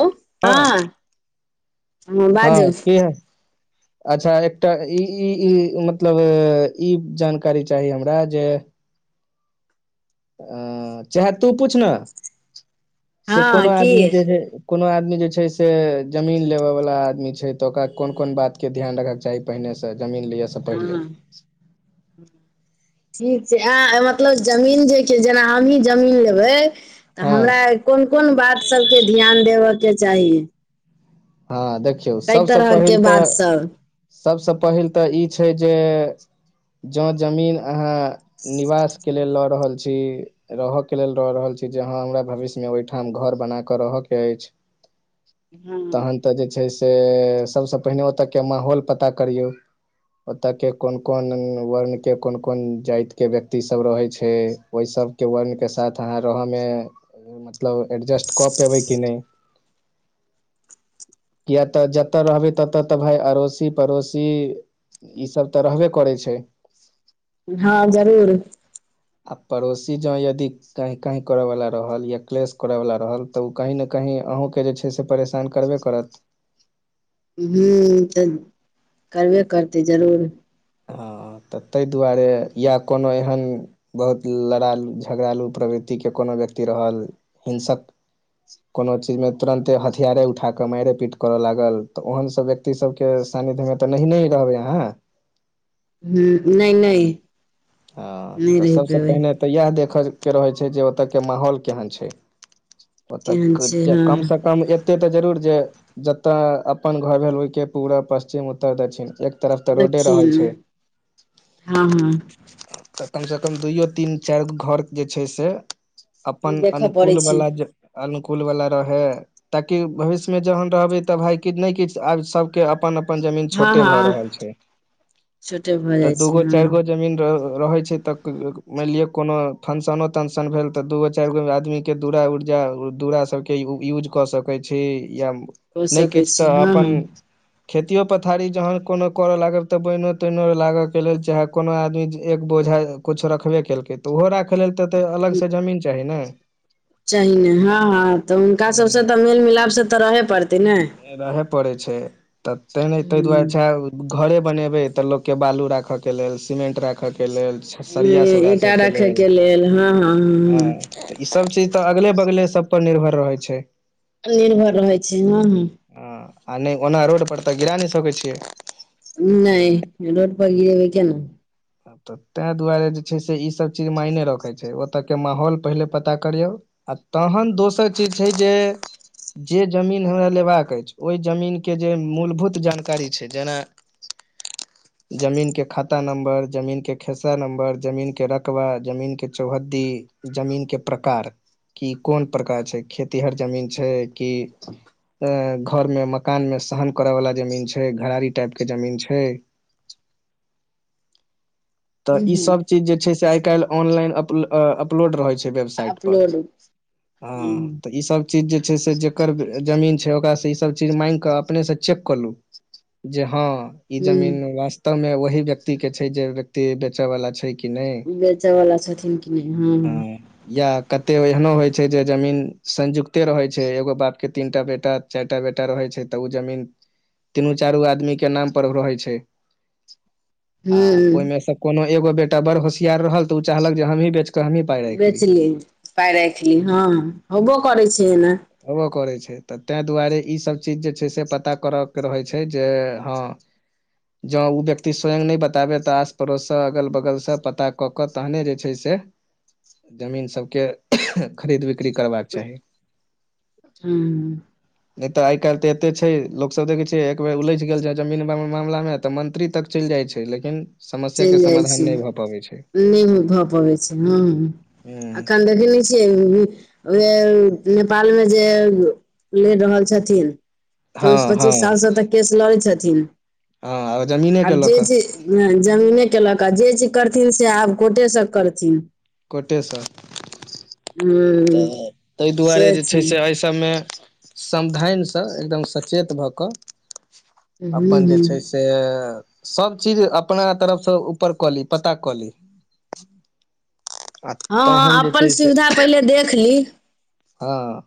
Hello [unintelligible] हँ बाजू हँ की [unintelligible] अच्छा एकटा ई-ई-ई मतलब ई जानकारी चाही हमरा जे अऽ चाहे तू पूछ नऽ से हँ कोनो की आदमी जे जे कोनो आदमी जे छैय से जमीन लेबऽ वला आदमी छैय तऽ ओकरा कोन कोन बात के ध्यान राखक चाही पहिने से जमीन लियऽ से हँ पहिले हँ ठीक छै आ मतलब जमीन जे कियो जेना हमहीं जमीन लेबैय तऽ हँ हमरा कोन कोन बात सबके ध्यान देबय कऽ चाही हँ देखियौ कै सबसे तरहके पहिल बात तऽ सब सबसँ पहिल तऽ ई छैय जे जँ जमीन अहाँ निवास कऽ लेल लऽ रहल छी रहय कऽ लेल लऽ रहल छी जे हँ हमरा भविष्य मे ओहिठाम घर बना के रहय कऽ अछि हँ तहन तऽ जे छैय से सबसँ पहिने ओतयके माहौल पता करियौ ओतऽ के कोन कोन वर्ण के कोन कोन जाति के व्यक्ति सब रहे छैय ओहि सबके वर्णके साथ अहाँ रहऽमे मतलब एडजस्ट कऽ पेबै कि नहि किये तऽ जतऽ रहबै उतऽ तऽ भाय अड़ोसी पड़ोसी ई सब तऽ रहबे करै छैय हँ जरूर आ पड़ोसी जँ यदि कांय कांय करयवला रहल या क्लेश करयवला रहल तऽ ओ कहीं नऽ कहीं अहूं के से परेशान करबे करत हूँ तऽ करबे करतै जरूर हँ तऽ तइ दुआरे या कोनो एहन बहुत लड़ाकू झगड़ालू प्रवृति के कोनो व्यक्ति रहल हिंसक कोनो चीजमे तुरन्ते हथियारे उठा कऽ मारिये पीट करय लागल तऽ ओहनसभ सब के सानिध्य मे तऽ नहि नऽ रहबय अहाँ हू नहि नहि ह नहि तऽ रहि सबसँ पेबै पहिने तऽ इएह देखय के रहैत छै जे ओतय के माहौल केहन छै। ओ केहन छै तऽ हँ कम सऽ कम एते तऽ जरूर जे जतय अपन घर भेल ओहिके पूरब पश्चिम उत्तर दक्षिण। तरफ तऽ रोडे देखियै रहल ने छैय। हँ हँ तऽ कम सँ कम दुइओ तीन चारि गो घरके जे छैय से। अपन। देखऽ पड़ै छै अनुकूलवला जे अनुकूलवला रहै। ताकि भविष्यमे जहन रहबै तऽ भाय कि नहि किछ आ सभके अपन। अपन जमीन हँ छोटे हँ भ रहल छै। छोटे भऽ त जाइ छै दूगो हँ चारि गो जमीन रहैत छै तऽ। मान लआ कोनो फंक्शनो तंकशन भेल ते दूगो चारि गो आदमी के दूरा उड़ दुअरा सभके यूज कऽ सकैत छी या कऽ नहि सकै किछु तऽ छी हँ अपन हँ खेतियो पथारी जहन कोनो करऽ लागल त बनो तइनो लागऽ के लेल चाहे। कोनो आदमी एक बोझा किछु रखबे केलकै तऽ ओहो राखै लेल तऽ अलगसँ जमीन चाही ने। चाही ने ह ह त हुनका हँ सभसँ तऽ मेल मिलाप से तऽ रहे पड़तै ने। रहे पड़ैत छै। तऽ नहि ताहि दुआरे हूँ छै। घरे बनेबे त लोक के बालू राखे के लेल सीमेंट राखे के लेल। सरिया सब राखय ईटा के रखेके लेल हँ हँ ईसभ चीज त अगले बगले सभपर निर्भर रहै छै। निर्भर रहै छै हँ हँ नहि ओना रोड परर तऽ गिरा नहि सकैत छियै। नहि रोड पर गिरेबै कना तऽ ताहि दुआरे जे छै से ई सभ चीज मायने रखैत छै ओतय के माहौल पहिले पता करियौ तहन दोसर चीज छै जे जे जमीन हमरा लेबाक अछि ओहि जमीन के जे मूलभूत जानकारी छै जेना जमीन के खाता नंबर जमीन के खेसरा नम्बर जमीन के रकबा जमीन के चौहद्दी जमीन के प्रकार कि कोन प्रकार छै खेतीहर जमीन छै की अ घर मे मकान मे सहन करे वाला जमीन छै घरारी टाइप के जमीन छै त हूँ हूँ ईसभ चीज जे छै से आइ काल्हि ऑनलाइन अप अपलोड रहै छै वेबसाइटपर अपलोड हँ हूँ तऽ ई सभ चीज जे छै से जकर जमीन छै ओकरास से ई सभ चीज मांगग कऽ अपने से चेक कलू जे हँ ई जमीन हूँ वास्तव मे वही व्यक्ति के छै जे व्यक्ति बेचय वाला छै। कि नहि बेचय वाला छथिन कि नहि हँ हँ। य कते एहनो होय छै जे जमीन संयुक्ते रहय छै एगो बाप के तीनटा बेटा चारिटा बेटा रहै छै तऽ ओ जमीन तीनू चारू आदमी के नाम पर रहै छै। अ ओहिमे हूँ से कोनो एगो बेटा बड़ होशियार रहल तऽ ओ चाहलक जे हमही बेच। कऽ हमही पाइ राखि ली बेचली पाइ राख ली हँ होबो हँ करै छै एन होबो करै छै त ताहि दुआरे ईसभ चीज जे छै से पता करयके रहैत छै जे हँ। जँं ओ व्यक्ति स्वयं नहि बताबय त आस पड़ोससँ अगल बगलसँ पता कऽ। ओकर तहने जे छै से जमीन सभके खरीद बिक्री करबाक चाही। ह नहि तऽ आइ काल्हि तऽ एते छै लोक सभ देखै छै एक बेर उलझि गेल छै जमीन मामला मे तऽ मंत्री तक चलि जाइ छै लेकिन समस्या के चलि जाइ समाधान छी नहि भऽ पबै छै नम भऽ पबैत छै हैं ह अखन देखय नय छिय [unintelligible] नेपाल मे जे लेर रहल छथिन चौबीस हँ हँ पच्चीस साल सँ त केस लड़ै छथिन हँ जमीने के आब लऽ जे कऽ जे ह जमीने केलक आ जे चीज करथिन से आब कोर्टे सँ करथिन। कोटे स हु से छै। तमे समधान सँ एकदम सचेत भ क हूँ अपन जे हूँ छै से सब चीज अपना तरफ से ऊपर क ली पता क ली आ हँ तहन हँ जे अपन छै से सुविधा पहिले देख ली हँ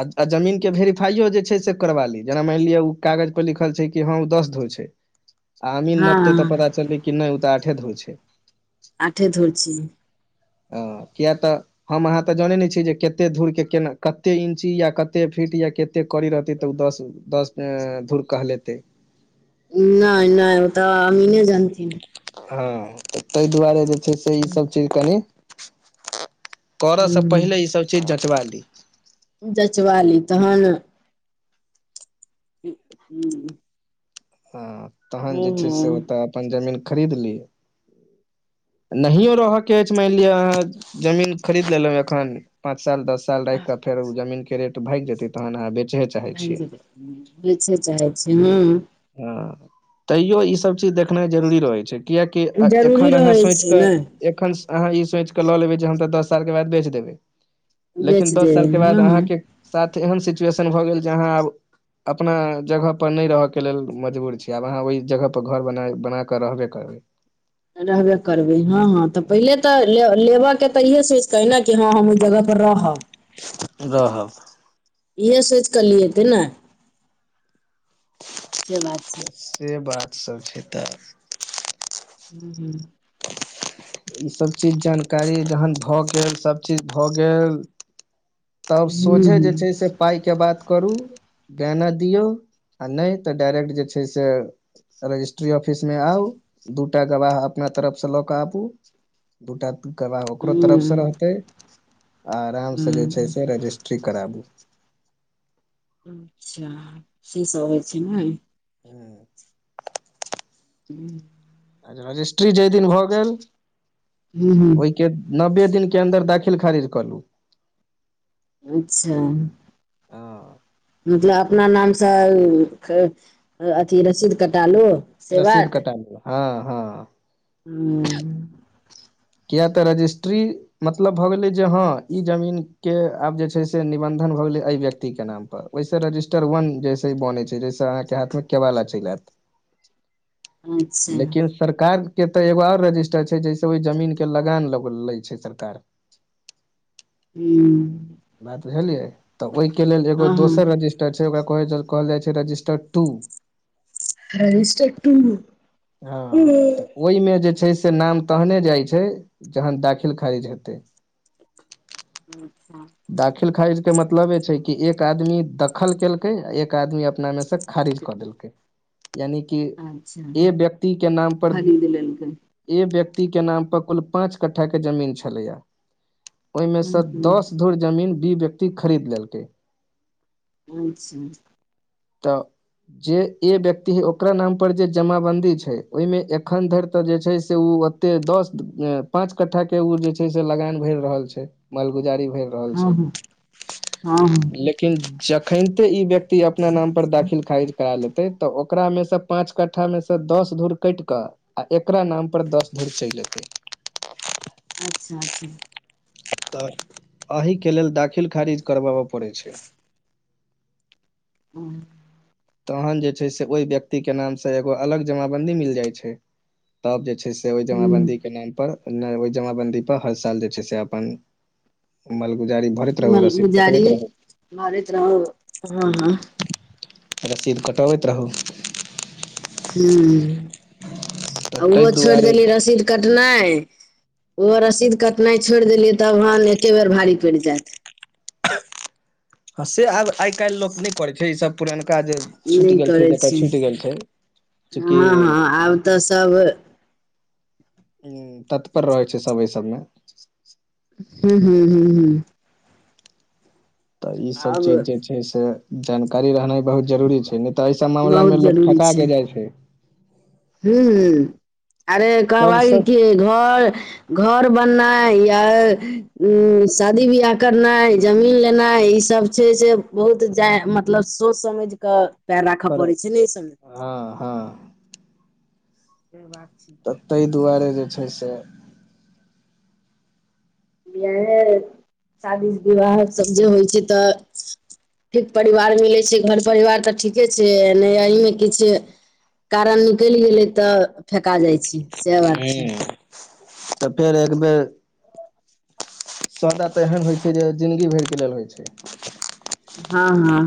अ आ जमीन केे वोरीफाइयो जे छै से करवा ली जेना मैन लिेय कागज पर लिखल छै कि हँ ऊ दस धुर छै आ आमीर हँ नपते त पता चललै कि ने ओ त आठे धुर छै आठे धुर छी आ किया त हम अहाँ त जानै ने छियै जे कते धूरके केना कतेक इञची या कतेक फीट या कतेक करी रहतै त ओ दस दस धूुर कहलेते नय नय ओ त अमीने जथिन हँ त ताय दुआरे जे छै से ईसभ चीज कनि कर सँ हूँ पहिले ईसभ चीज जँचबा ली जचवाली तहन हू ह तहन जे छै से ओत अपन जमीन खरीद ली नहिये रह के ऐच मानि लिअ अहाँ जमीन खरीद लेलहुँ एखन पाँंच साल दस साल राख के फेर ओ जमी के रे भागि जेतै तहन अहाँ बे [unintelligible] बेेचे चाहै छी हँ [unintelligible] तैयो ईसभ चीज देखनाइ जरूरी रहै छै कियकि जरूरी एखन अहाँ रहै छै सोचिकऽ ने एखन अहाँ ई सोच क ल लेबै जे हम त दस साल के बाद बेच देबै लेकिन बेच दस दे साल के बाद हँ हँ अहाँके साथ एहन सिचुएशन भ गेल जे अहाँ आब अपना जगह पर नय रहके के लेल मजबूर छी आब अहाँ ओहि जगह पर घर बनााक रहबे करबै रहबे करबै हँ हँ त पहिले त लेबय के त इए सोचिकेै ने कि हँ हम ओहि जगहपर रहब रहब इह सोच क लिए ते ने से बात छै से बात सब छै त [inaudible] इ सभ चीज जानकारी जहन भ गेल सभचीज भ गेल तब सोझे हूँ जे छै से पाइके बात करू [unintelligible] दियौ आ नय त डाायरेक्ट जे छै से रजिस्ट्री ऑफिस मे आउ दूटा गवाह अपना तरफ से ल क आबू दुता गवाह ओकरो हूँ तरफ सँ रहतै आ आरामसे जे छै हूँ से रजिस्ट्री कराबू अच्छा से सब होइ छै नेय हू [inaudible] रजिस्ट्री जाहि दिन भए गेल हूँ हूँ ओ के नब्बे दिन के अन्दर दाखिल खारिज करल अच्छा। हँ मतलब अपना नाम सँ अथि रसीद कटालु रसीद कटाल ह ह हू। किया त रजिस्ट्री मतलब भऽ गेलै जे हँ जमीन के आब जे छै से निबन्धन भ गेलै एहि व्यक्ति के नाम ओय सँ रजिस्टर वन जैसे बने छै जैसे अहाँकेँ हाथ मे केवाला चैल ए अच्छा लेकिन सरकार के तऽ एगो और रजिस्टर छै जैसे ओय जमीन। कऽ लगान लग ले छै सरकार हू। बुझलियै तऽ ओहिके लेलऽ एगो हँ हँ दोसर रिस् ट छैय ओकरा कहै -कहल जाय छैय रजिस्टर टू रजिस्ट्रर टू। ओय मे जे छैय से नाम तहने जाय छै जहन दाखिल खारिज हेतै हूँ हूँ दाखिल खारिज के मतलबे छैय कि एक आदमी दखल केलकै आ एक आदमी अपना मे खारिज कऽ देलकै यानि कि अच्छा व्यक्ति के नाम पर खरीद लेलकै व्यक्ति के नाम पर कुल पाँच कट्ठा के जमीन छेलैया ओय मे हूँ से दस हूँ धुर जमीन भी ब व्यक्ति खरीद लेलकै अच्छा। त जे व्यक्ति है ओकरा नाम पर जे जमाबंन्दी छैय ओय मे एखन धैर तऽ जे छैय से एते दस पाँंच कट्ठा के उ जे छैय से लगान भैर रहल छैय मालगुजारी भै रहल हँ छैय हँ हँ हँ लेकिन जखैनते इ व्यक्ति त अपना नाम पर दाखिल खारिज करा लेतै तऽ ओकरा मे से पाँच कट्ठा मे से दस धूर कैट क अ एकरा नाम पर दस धूर चैल एतै अच्छा अच्छा त एहि के लेलऽ दाखिल खारिज करबाबऽ पड़ै छैय [inaudible] हू। तहन जे छैय स ओय व्यक्ति के नाम से एगो अलग जमाबंदी मिल जाय छै तब जे छैय से ओय जमाबंन्दी के नाम पर नै ओय जमाबंन्दी पर हर साल जे छैय से अपन मालगुजारी भरैत रहू रसीद कटबैत रहू। भरैत रहू ह ह रसीद कटबैत रहू। हूँ तऽ ताहि उहो छोड़ दुआरे देलीयै रसीद। कटनाइ ओहो रसीद कटनाइ छोड़ देलियै तब हन एके बेर भारी पैड़ जेऽ ह से आब आय कैल्ह लोक नै करै छैय ई सभ पुरनका जे छुइट नहि गेल छैय करै छी जेकर छूइट गेल छैय चूकि। हँ हँ आब तऽ सब हूँ तत्पर रहै छैय सभ एैय सभ मे हूँ हूँ तऽ ई सभ आब चीज जे छै से जानकारी रहनाइ बहुत जरूरी छै नहि तऽ एय सब मामला बहुत मऽ लोग ठका के जाइ छै हू अरे कहबहि सभसँ कि घर घर बननाइ या उ शादी बियाह करनाइ जमीन लेनाइ ई सब छै जे बहुत जैऽ मतलब सोच समझ कऽ पैर राख पर पड़े छै ने अय सबमे हँ हँ से बात छै तऽ तहि दुवारे जे छै से बियाहे शादी विवाह सभ जे होइ छै तऽ ठीक परिवार मिलै छै घर परिवार तऽ ठीके छै नहि एहिमे किछ कारण निकलि गेलै तऽ फेेका जाइ छि सएह बात छै ह तऽ फेर एकबेर सौदा तऽ एहन होइ छै जे जिन्दगी भरिके लेल होइ छै हँ हँ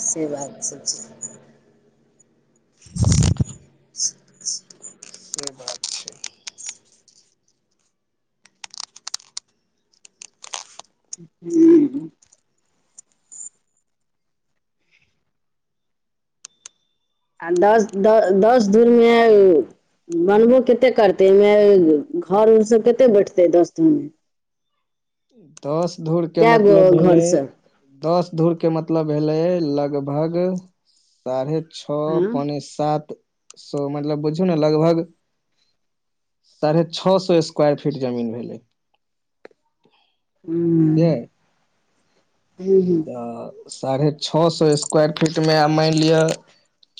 से बात सब छै [unintelligible] से बात हूँ आ दस द दस दूरमे बनबो कतेक करतै एहिमे घर उर सब कतेक बैठतै दस घूरमे दस धूरके कए गो मतलब घर भेलै सब दस धूर के मतलब भेलै लगभग साढ़े छह हँ पौने सात सऽ मतलब बुझू ने लगभग साढ़े छह सौ स्क्वायर फीट जमीन भेलै बुझलियै हू [unintelligible] अ साढ़े छह सए स्क्वायर फीटमे आब माइन लिय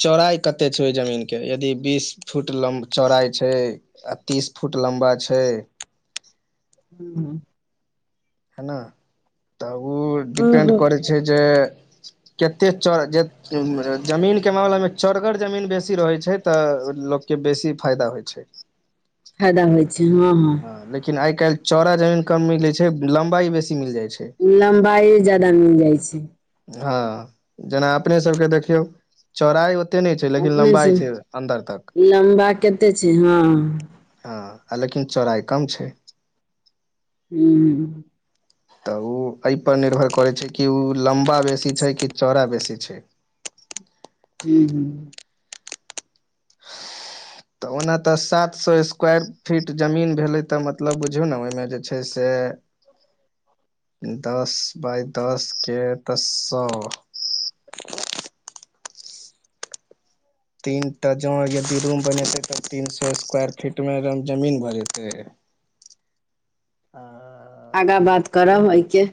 चौड़ाइ कतेक छै ओहि जमीनके यदि बीस फुट लम्ब चौड़ाइ छै आ तीस फुट लम्बा छै हू हेनय तऽ उ हूँ डिपेन्ड हूँ करै छै जे कतेक चौड़ा जे जमीनके मामलामे चोडगर जमीन बेसी रहैत छै तऽ लोकके बेसी फायदा होइ छै [inaudible] फायदा होइ छै हँ हँ लेकिन आइ काइल चौड़ा जमीन कम मिले छै लम्बाई बेसी मिल जाय छै लम्बाई ज्यदा मिल जाय छै हँ जेना अपने सबके देखियौ चौड़ाइ ओतेक नय छै लेकिन अपने से लम्बाइ छै अन्दर तक लम्बा कते छै हँ हँ आ लेकिन चौराइ कम छैय हू तऽ ओ एहिपर निर्भर करै छै कि ओ लम्बा बेसी छै कि चौड़ा बेसी छैय हू हू [inaudible] तऽ ओना तऽ सात सौ स्क्वायर फीट जमीन भेलै तऽ मतलब बुझियौ न ओहिमे जे छै से [unintelligible] दस बाइ दसके तऽ सौ तीनटा जो यदि रूम बनेते त तीन सौ स्क्वायर फीट में जमीन भऽ जेतेय आगाँ बात करब एहिके